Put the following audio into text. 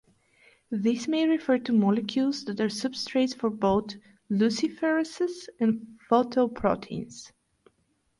This may refer to molecules that are substrates for both luciferases and photoproteins.